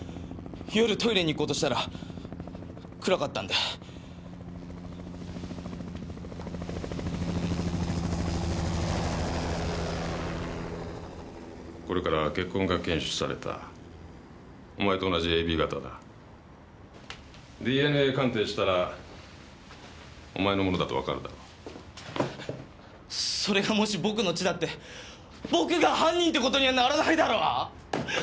夜トイレに行こうとしたら暗かったんでこれから血痕が検出されたお前と同じＡＢ型だＤＮＡ鑑定したらお前のものだと分かるだろうそれがもし僕の血だって僕が犯人ってことにはならないだろう